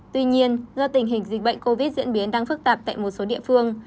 tuy nhiên do tình hình dịch bệnh covid diễn biến đang phức tạp tại một số địa phương